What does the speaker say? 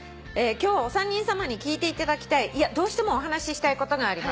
「今日はお三人さまに聞いていただきたいいやどうしてもお話ししたいことがあります」